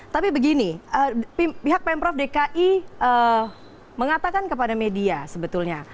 tapi begini pihak pemprov dki mengatakan kepada media sebetulnya